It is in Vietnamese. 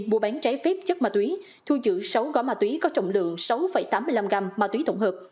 mua bán trái phép chất ma túy thu giữ sáu gói ma túy có trọng lượng sáu tám mươi năm gram ma túy tổng hợp